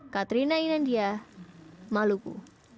katrina inandia maluku